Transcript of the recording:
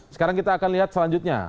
sekarang kita akan lihat selanjutnya